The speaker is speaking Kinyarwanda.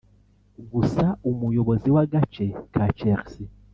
gusa umuyobozi w’agace ka Chelsea